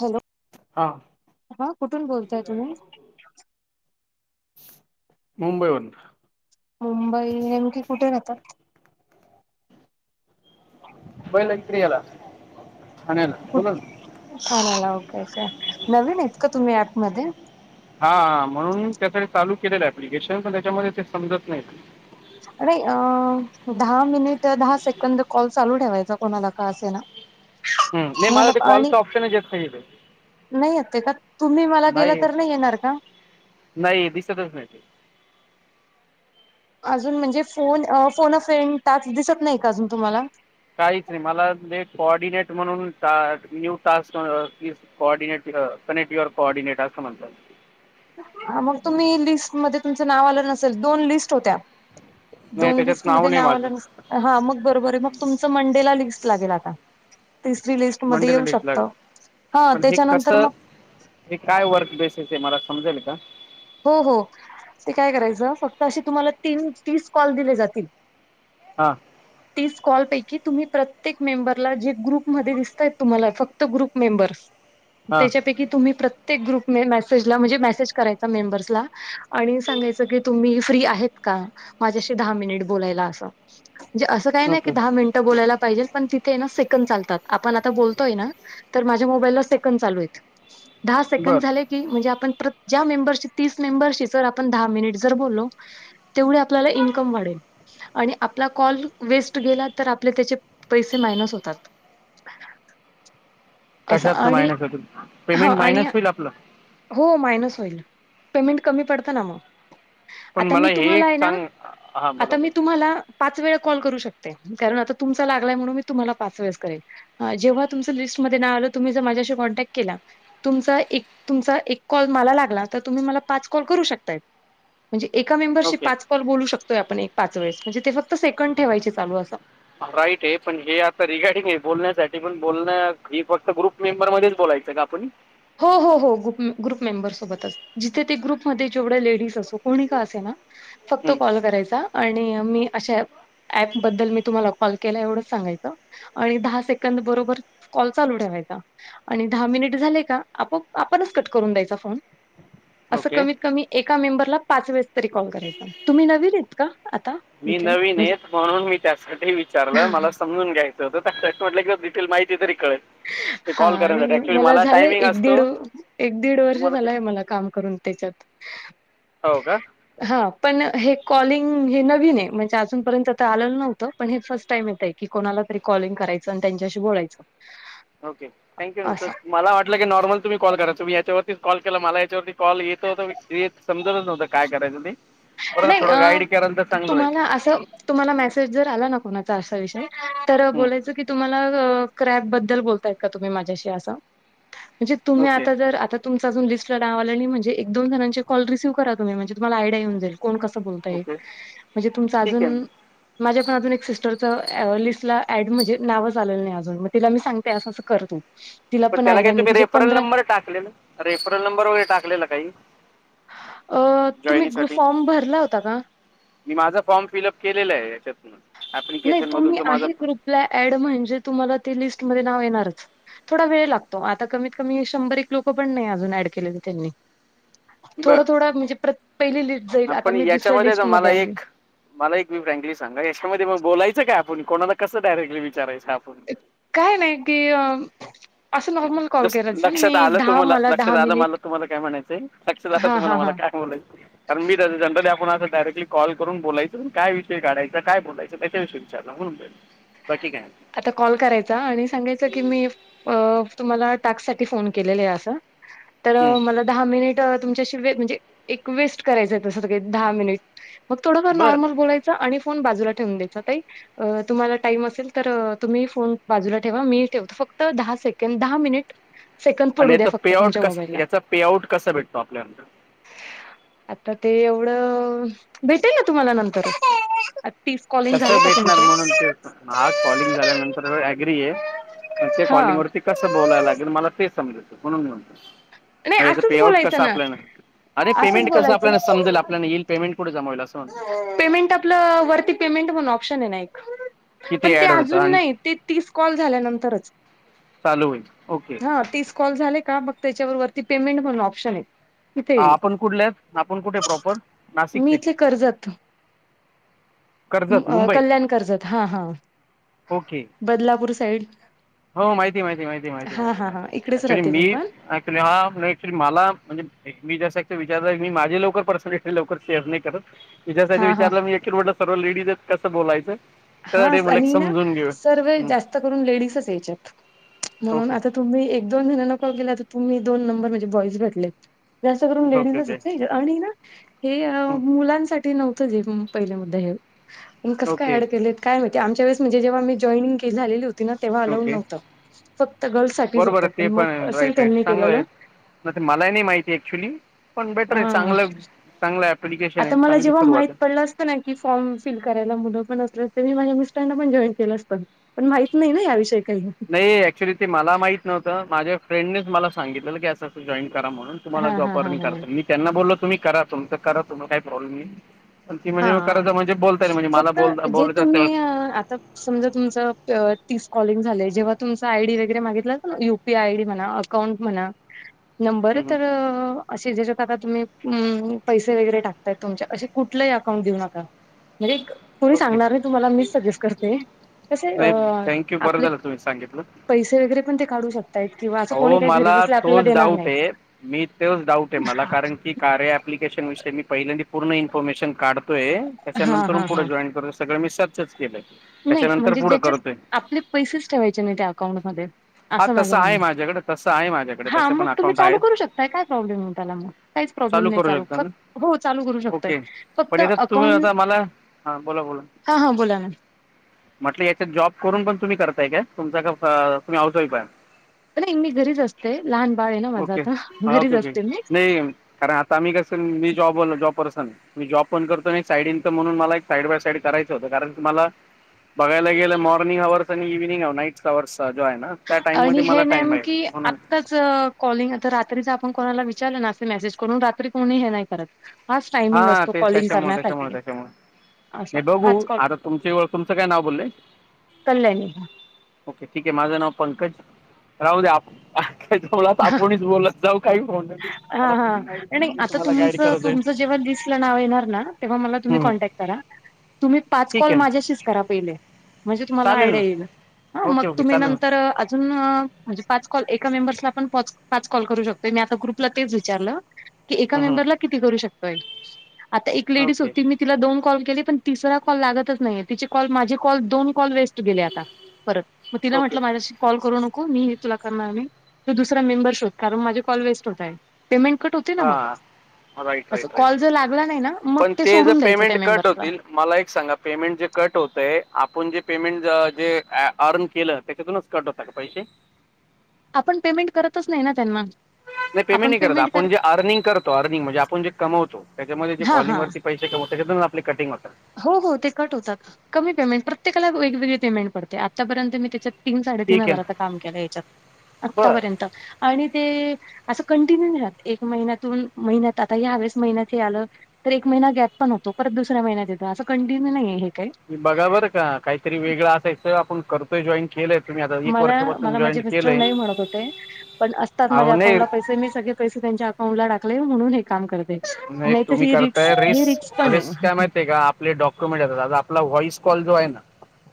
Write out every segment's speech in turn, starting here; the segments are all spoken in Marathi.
हॅलो हा हा कुठून बोलताय तुम्ही? मुंबईवरन. मुंबई नेमकी कुठे राहाता? मुंबईला याला, ठाण्याला कुठ बोला ना. ठाण्याला, ओके ओके नवीन आहेत का तुम्ही ऍप मध्ये? हा म्हणून, त्यासाठी चालू केलेल आहे ऍप्लिकेशन पण त्याच्यामध्ये ते समजत नाही. अरे अ दहा मिनिट दहा सेकंद कॉल चालू ठेवायचा, कोणाला का असे ना हं नाही माझं कोणाला ते आणि कॉलचं ऑप्शनच येत नाहीये ते. नाही येत का, तुम्ही मला केल तर नाही येणार का? नाही दिसतच नाही ते अजून म्हणजे phone a phone of friend task दिसत नाही का, अजून तुम्हाला? काहीच नाही मला म्हणजे कॉर्डिनेट म्हणून का new task a this coordinate a connect your coordinate असं म्हणताय. हा मग तुम्ही लिस्ट मध्ये तुमचं नाव आलं नसेल दोन लिस्ट होत्या. नाही दोन त्याच्यात लिस्ट मध्ये नाही नाव माझं आलं नस हा मग बरोबर आहे, मग तुमचं मंडे ला लिस्ट लागेल आता. तिसरी लिस्ट मध्ये मंडेला येऊ लिस्टला शकत, हा पण हे त्याच्यानंतर कसं मग हे काय वर्क बेसिस आहे मला समजेल का? हो हो, ते काय करायच फक्त अशे तुम्हाला तीन तीस कॉल दिले जातील हा तीस कॉलपैकी तुम्ही प्रत्येक मेंबरला जे ग्रुपमध्ये दिसतायत तुम्हाला फक्त ग्रुप मेंबर्स, हा त्याच्यापैकी तुम्ही प्रत्येक ग्रुप मे मॅसेजला म्हणजे मॅसेज करायचा. त्या मेंबर्सला आणि सांगायच की तुम्ही फ्री आहेत का? माझ्याशी दहा मिनिट बोलायला असं, म्हणजे असं काय नाय की ओके दहा मिनट बोलायला पाहिजेल पण तिथे ना सेकंद चालतात, आपण आता बोलतोय ना. तर माझ्या मोबाईलला सेकंद चालूयेत, दहा बरं सेकंद झाले की म्हणजे आपण प्रत ज्या मेंबर तीस मेंबरशी जर आपण दहा मिनट जर बोललो तेवढे आपल्याला इन्कम वाढेल. आणि आपला कॉल वेस्ट गेला तर आपले त्याचे पैसे मायनस होतात. [unintelligible] असं कशातन आणि मायनस होतात हा पेमेंट आणि मायनस होईल आपलं. हो मायनस होईल. पेमेंट कमी पडतं ना मग पण आता मी मला हे तुम्हाला एक आहे ना सांग हा बोला आता मी बोला तुम्हाला पाच वेळा कॉल करू शकते कारण आता तुमचा लागलाय म्हणून मी तुम्हाला पाच वेळस करेल. जेव्हा तुम्ही लिस्टमध्येध्ये नाव आलं तुम्ही माझ्याशी कॉन्टॅक्ट केला तुमचा एक तुमचा एक कॉल मला लागला तर तुम्ही मला पाच कॉल करू शकताय म्हणजे एका मेंबरशी ओके पाच कॉल बोलू शकता. य आपण एक पाच वेळेस म्हणजे ते फक्त सेकंड ठेवायचे चालू असं. राईट आहे पण हे आता रिगार्डिंग आहे बोलण्यासाठी पण बोलणं ही गोष्ट ग्रुप मेंबर मध्येच बोलायचं का आपण हो हो हो गप ग्रुप मेंबरस सोबतच. जिथे ते ग्रुपमध्ये जेवढे लेडीज असो कोणी का असे ना फक्त हम्म, कॉल करायचा.... आणि मी अशा ऍप बद्दल मी तुम्हाला कॉल केला एवढंच सांगायचं. आणि दहा सेकंद बरोबर कॉल चालू ठेवायचा आणि दहा मिनिट झाले का आपो आपणच कट करून द्यायचा फोन असं ओके कमीत कमी एका मेंबरला पाच वेळेस तरी कॉल करायचा तुम्ही नवीन य का आता मी इथे? नवीन म्हणजे येत म्हणून मी त्यासाठी विचारलं मला समजून घ्यायचं म्हटलं क की डिटेल माहिती तरी कळल हा आणि मला झालं एक दीड असतो एक दीड वर्ष तुम्हाला ते झालाय मला काम करून त्याच्यात हो का? हा पण हे कॉलिंग हे नवीन आहे म्हणजे अजूनपर्यंत तर आलेलं नव्हतं पण हे फर्स्ट टाईम येत आहे. कि कोणाला तरी कॉलिंग करायचं आणि त्यांच्याशी बोलायचं. ओके थँक्यू असं. मला वाटलं की नॉर्मल तुम्ही कॉल करा तुम्ही याच्यावरती कॉल केला मला याच्यावरती कॉल येत होता येत समजतच नव्हतं काय करायचं ते बरोबर नाही थोडं अ, गाईड करालंतर चांगलं राहिलं. तुम्हाला असं तुम्हाला मेसेज जर आला ना कोणाचा असा विषय तर बोलायचं की तुम्हाला क्रॅप बद्दल बोलताय का तुम्ही माझ्याशी आस म्हणजे तुम्ही ओके आता जर आता तुम अजुन लिस्ट नाव आल आणि म्हणज एक दो जणां कॉल रिसव करा तुम्ही म्हणजे तुम्हाला आयडिया येऊन जाईल. कोण कसं बोलताय. ओके म्हणजे तुमच ठीक आहे अजून, माझ्या पण अजून एक सिस्टरिचं लिस्ट ला ऍड म्हणजे नाव चालेल नाही अजून मग तिला मी सांगते असं असं कर तू तिला पण त्याला काय आयडिया नाही तुम्ही तिचे रेफरल पंधरा नंबर टाकलेल रेफरल नंबर वगैरे टाकलेला काही अ तुम्ही जॉईनिंगसाठी फॉर्म भरला होता का? मी माझा फॉर्म फिलअप केलेला आहे याच्यातून ऍप्लिकेशन मधून त माझा आपला ऍड म्हणजे तुम्हाला ते लिस्ट मध्ये नाव येणारच. थोडा वेळ लागतो आता कमीत कमी शंभर एक लोक पण नाही अजून ऍड केलेली त्यांनी थोडं थोडं म्हणजे पहिली लिस्ट जाईल आता आपण मी दुसऱ्या याच्यामध्ये द लिस्टमध्ये मला आली. एक मला एक मी फ्रँकली सांगा याच्यामध्ये मग बोलायचं काय आपण कोणाला कस डायरेक्ली विचारायचं आपण काय नाही की असं नॉर्मल कॉल जसं करायचा लक्षात मी आलं दहा तुम्हाला मला लक्षात दहा आलं मला मिनिट तुम्हाला काय म्हणायचंय, लक्षात आलं हां तुम्हाला हां हां. मला काय म्हलायचं. कारण मी त्यां जनरली आपण अस डायरेक्ली कॉल करून बोलायचं, पण काय विषय काढायचा, काय बोलायचं त्याच्याविषय विचारला म्हणून. बाकी काय? आता कॉल करायचा आणि सांगायचं की मी अ तुम्हाला टास्क साठी फोन केलेले आहे असं. तर हं. मला दहा मिनिट तुमच्याशी व म्हणजे एक वेस्ट करायचं आहे तसं काही दहा मिनिट मग थोडंफार बरं नॉर्मल बोलायच आणि फोन बाजूला ठेवून द्यायचा ताई तुम्हाला टाईम असेल तर तुम्ही फोन बाजूला ठेवा मी ठेवतो फक्त दहा सेकंड दहा मिनिट सेकंद आणि पडू याच द्या पे फक्त आउट तुमच्या कस मोबाईलला याचा पेआउट कस भेटतो आपल्यांना आता ते एवढं भेटेल ना तुम्हाला नंतर तीस कॉलिंग झालं का तुमचं आज कॉलिंग झाल्यानंतर ॲग्री आहे पण ते हा कॉलिंग वरती कसं बोलाय लागेल मला ते समजायचं म्हणून मी नाही म्हणतो याच असंच पे आउट कसं बोलायचं ना आपल्याला अरे असंच पेमेंट कसं बोलायचं आपल्याला समजेल आपल्यांना येईल पेमेंट कुठे जमा होईल अस म्हणतो पेमेंट आपलं वरती पेमेंट म्हणून ऑप्शन आहे ना एक पण तिथे ते ॲड होतं अजून आणि नाही ते तीस कॉल झाल्यानंतरच चालू होईल ओके हा तीस कॉल झाले का मग त्याच्या वर पेमेंट म्हणून ऑप्शन आहे तिथे हा येईल आपण कुठलेत आपण कुठे प्रॉपर मी नाशिकचे इथले कर्जत कर्जत मुंबई कल्याण कर्जत हा हा ओके बदलापूर साईड हो माहिती माहिती माहिती माहि [inaudible] ती हा हा हा माहिती इकडेच राहते मी पण अक्चुली क्चली मला म्हणजे मी जसं एक विचारलं मी माझी लवकर पर्सनॅलिटी लवकर शेअर नाही करत तिच्यासाठी हा हा विचारलं मी एक रोडला सर्व लेडीज आहेत कसं बोलायचं हा त्यासाठी म्हटलं आणि ना समजून घेऊ सर्व जास्त करून लेडीसच आहे याच्यात म्हणून ओके आता तुम्ही एक दोन जणांना कॉल केला तर तुम्ही दोन नंबर मध्ये बॉईज भेटले जास्त करून ओके लेडीजच ओके आहेत ना ह्याच्यात आणि ना हे मुलांसाठी नव्हतं पहिला मुद्दा हे मग कस काय ओके ऍड काय माहिती आमच्या वेळेस म्हणजे जेव्हा मी जॉईनिंग झालेली होते तेव्हा अलाउड ओके नव्हत फक्त गर्ल्स साठीच बरोबर होतं आहे पण मग असेल त्यांनी केलेलं म ते मलाही नाही माहिती ऍक्च्युली पण बेटर आहे हां. चांगलं चांगलं ऍप आता मला जेव्हा माहित पडलं अस की फॉर्म फिल करायला मुलं पण असलं तर मी माझ्या मिस्टरना पण जॉईन केलं असतं पण माहित नाही ना याविषयी काही ते ऍक्च्युली ते मला माहित नव्हतं माझ्या फ्रेंडनेच मला सांगितलं की असं जॉईन करा म्हणून तुम्हाला हां जॉब हां करत हां हां. करता येते मी त्यांना बोलो तुम्ही करा तुमच करा तुम्हाला काही प्रॉब्लेम नाही पण ती म्हणजे हां. करायच म्हणजे बोलताईल म्हणजे मला फक्त बोल जे तुम्ही बोलत्यातच अ, समजा तुमचं तीस कॉलिंग झाले जेव्हा तुमच आयडी वगैरे मागितलं असल ना U P I I D म्हणा अकाउंट म्हणा नंबर तर असे ज्याच्यात आता तुम्ही पैसे वगैरे टाकताय तुमचे अस कुठलंही अकाउंट देऊ नका म्हणजे एक कोणी ओके सांगणार नाही तुम्हाला मी सजेस्ट करते कसे अ, नाहीत थँक्यू बरं आपले झालं तुम्ही सांगितला पैसे वगैरे पण ते काढू शक आहो मला तोच डाऊट नाही. आहे मी तोच डाऊट आहे मला कारण की कार्या अप्लिकेशन विषयी पहिल्यांदी पूर्ण इन्फॉर्मेशन काढत करतोय हां, त्याच्यानंतर हां, पुढे हां. जॉईन करतोय सगळं मी सर्चच केलंय नाही त्याच्यानंतर म्हणजे पुढं ज्याच्यात करतोय आपले पैसेच ठेवायचे नाही त्या अकाउंटमध्ये हा असं माझं तसं म्हणण आहे माझ्याकडे तसं आहे माझ्याकडे हा तसे मग पण तुम्ही अकाउंट चालू आहेत करू शकताय काय प्रॉब्लेम आहे त्याला मग काहीच प्रॉब्लेम नाही करू चालू शकता ना हो चालू करू शकताय ओके फक्त पण याच्यात तुम्ही आता अकाउंट मला हां बोला बोला हा हा बोला ना म्हटलं याच्यात जॉब करून पण तुम्ही करताय का तुमचा का तुम्ही आवताही पाय नाही मी घरीच असते लहान बाळ आहे ना माझ आता घरीच असते मी ते कारण आता मी कस मी जॉब जॉब वर सांगतो मी जॉब पण करतो आणि एक साईड इन्कम म्हणून मला एक साईड बाय साईड करायचं होतं कारण की मला बघायला गेलं मॉर्निंग अवर्स आणि इव्हनिंग ह नाईटचा अवर्सचा जो आहे ना त्या आणि टाइममध्ये हे मला टाइम आहे नेमकी म्हणून आत्ताच कॉलिंग आता रात्रीच आपण कोणाला विचारलं ना अस मेसेज करून रात्री कोणी हे नाही करत हाच टाइमिंग हा असतो तेच कॉलिंग त्याच्यामुळे त्याच्यामुळे करण्यासाठी त्याच्यामुळे असं नाही बघू हाच कॉल आता तुमच्या तुमचं काय नाव बोलले? कल्याणी ओके ठीक आहे माझं नाव पंकज राहू द्या [unintelligible] जाऊ काही फो हा हा नाही नाही आता तुमचं जाईल तुमचं जेव्हा लिस्ट ला नाव येणार ना तेव्हा मला तुम्ही कॉन्टॅक्ट करा तुम्ही पाच ठीक कॉल आहे ना माझ्याशीच करा पहिले म्हणजे तुम्हाला चालेल ना आयडिया येईल मग ओके ओके तुम्ही चालेल नंतर अजून अ म्हणजे पाच कॉल एका मेंबर्सला पण पाच, पाच कॉल करू शकतो मी आता ग्रुपवर तुला तेच विचारलं की एका ना मेंबर ला किती करू शकतोय ओके तिला दोन कॉल केले पण तिसरा कॉल लागतच नाही तिचे कॉल माझे कॉल दोन कॉल वेस्ट गेले आ परत मग तिला ओके म्हटलं माझ्याशी कॉल करू नको मी ही तुला करणार तु दुसरा मेंबर शोध कारण माझे कॉल वेस्ट होताय पेमेंट कट होत होते ना मग, हां राईट अस राईट राईट कॉल जर राईट लागला नाही ना मग पण ते जर सोडून द्यायचं त्या पेमेंट कट मेंबर्सला होतील मला एक सांगा पेमेंट जे कट होतय आपण जे पेमेंट जे अर्न केलं त्याच्यातूनच कट होता का पैसे? आपण पेमेंट करतच नाही ना त्यांना नाही पेमेंट नाही करत, आपण जे अर्निंग करतो अर्निंग म्हणजे आपण जे कमवतो त्याच्यामध्ये जे हा कॉलिंग हा वरती पैसे कमावतो त्याच्यातुनच आपली कटिंग होतात हो हो ते कट होतात कमी पेमेंट प्रत्येकाला वेगवेगळी पेमेंट पडते आत्तापर्यंत मी त्याच्यात तीन साडेतीन ठीक आहे हजाराच ना काम केलं याच्यात बरं आतापर्यंत आणि ते असं कंटिन्यू नाही राहत एक महिन्यातून महिन्यात आता ह्यावेळेस महिन्यात हे आलं तर एक महिना गॅप पण होतो परत दुसऱ्या महिन्यात यत असं कंटिन्यू नाही हे ते तुम्ही बघा बर का काहीतरी वेगळा असायचं आपण करतो मला, मला माझे केलं मिस्टर नाही आहे म्हणत होते पण असतात अहो माझ्या नाही अकाउंटला पैसे मी सगळे पैसे त्यांच्या अकाउंट ला टाकले म्हणून हे काम करते नाही तर तुम्ही ही रिक्स करताय ही रिक्स रिस्क पण रिस्क काय माहिती आहे का आपले डॉक्युमेंट येतात आता आपला व्हॉइस कॉल जो आहे ना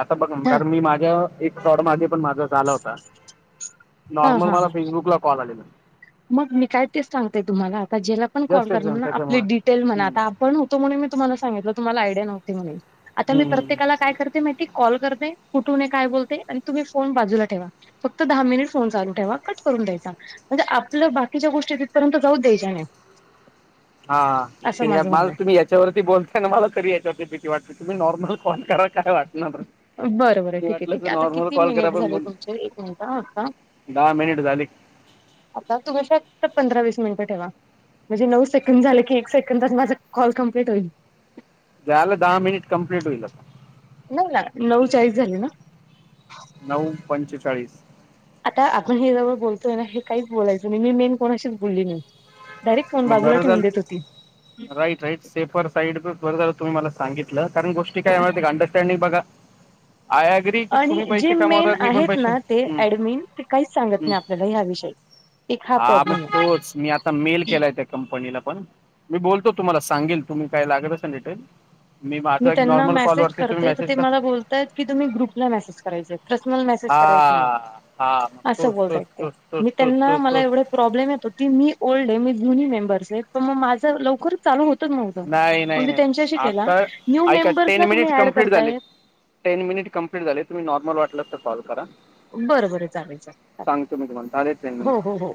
आता बघा हा कारण मी माझ्या एक फ्रॉड मागे पण माझा झाला होता हा नॉर्मल हा. मला फेसबुक ला कॉल आलेला मग मी काय तेच सांगतेय तुम्हाला आता ज्याला पण कॉल जस्ट करणार एक्झाम ना आपले त्याच्यामुळे डिटेल म्हणा हम्म, आता पण होतो म्हणून मी तुम्हाला सांगितलं तुम्हाला आयडिया नव्हती म्हणून आता मी हम्म, हम्म. प्रत्येकाला काय करते माहिती कॉल करते कुठून आहे काय बोलते आणि तुम्ही फोन बाजूला ठेवा फक्त दहा मिनिट फोन चालू ठेवा कट करून द्यायचा म्हणजे आपल बाकीच्या गोष्टी तिथपर्यंत जाऊच द्यायच्या नाहीं हा मला म्हणणं तुम्ही याच्यावरती बोलताय मला तरी याच्यावरती भीती वाटते तुम्ही नॉर्मल कॉल करा काय वाट ना बरं. बरं बरं ठीक हे, ठीक हे आता किती मिनिट पण झाले बोल तुमचे एक मिनिट अ आत्ता. दहा मिनिट झाले आता तुम्ही फक्त पंधरा वीस मिनिटं ठेवा. म्हणजे नऊ सेकंद झाले की एक सेकंदात माझ कॉल कम्प्लीट होईल. झालं दहा मिनिट कंप्लीट होईल आता. नवू लां, नऊ चाळीस झाले ना? नऊ पंचेचाळीस. आता आपण हे जवळ बोलतोय नही हे काहीच बोलायचं नाही, मी मेन कोणाशीच बोलली नाही. डायरेक्ट फोन मं बाजूला ठेवून बरंजाल देत होती राईट राईट सेफर साईड चं बरंझालं. तुम्ही मला सांगितलं कारण गोष्टी काय माहितीय का अंडरस्टँडिंग बघा आय आय [unintelligible] आणि तुम्ही जे पैसे मेन कमवताय मी पण आहेत पैसे ना ते हूं ऍडमिन ते काहीच सांगत हूं! नाही आपल्याला ह्या विषयी एक हा म प्रॉब्लेम आहे तोच मी आ ता मेल केलाय त्या कंपनीलापण, मी बोलतो तुम्हाला सांगेल तुम्ही काय लागत असलं डीटेल. मी त्यांना मेसेज करते तर ते कर मला बोलतायत की तुम्ही ग्रुपला मेसेज करायचेय. पर्सनल मेसेज करायचे नाही, हा हा मग अस तोच बोलताय तोच त्यां तोच तोच मी तोच त्यांना तोच मला तोच एवढ प्रॉब्लेम येत होती मी ओल्ड हे, मी जुनी मेंबर्स आहे त म माझ लवकर चालू होतच नव्हतं, नाही मग नाही मी नाही त्यांच्याशी केला आता न्यू ऐका टेन मेंबर्सला तुम्ही मिनिट ऍड कंप्लीट झाले करताय. टेन मिनिट कंप्लीट झाले तुम्ही नॉर्मल वाटल्यास त कॉल करा. बरं बरं चालेल चालेल सांगतो मी तुम्हाला, झाले टेन हो मिनिट. हो हो